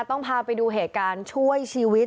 ต้องพาไปดูเหตุการณ์ช่วยชีวิต